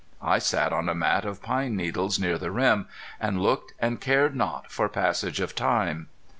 I sat on a mat of pine needles near the rim, and looked, and cared not for passage of time.